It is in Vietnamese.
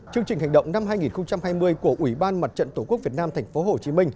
chương trình hành động năm hai nghìn hai mươi của ủy ban mặt trận tổ quốc việt nam tp hcm